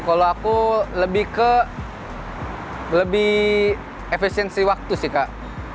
kalau aku lebih ke lebih efisiensi waktu sih kak